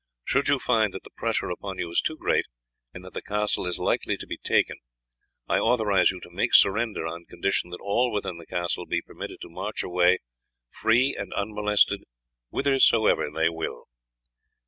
Should you find that the pressure upon you is too great, and that the castle is like to be taken, I authorize you to make surrender on condition that all within the castle are permitted to march away free and unmolested whithersoever they will."